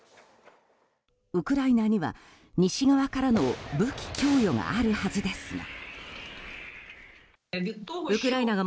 ウクライナには、西側からの武器供与があるはずですが。